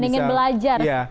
dan ingin belajar